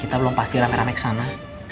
kita belum pasti ramai ramai kesana